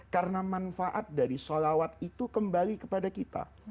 karena manfaat dari sholawat itu kembali kepada kita